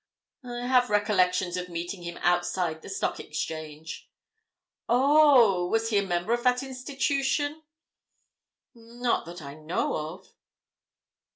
"I have recollections of meeting him outside the Stock Exchange." "Oh! Was he a member of that institution?" "Not that I know of."